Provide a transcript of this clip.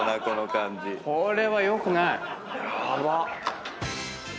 これはよくない。